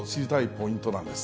ポイントなんです。